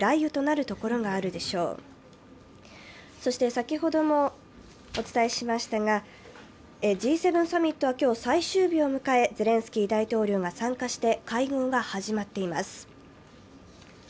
先ほどもお伝えしましたがＧ７サミットは今日、最終日を向かえ、ゼレンスキー大統領が参加して会合が始まっています。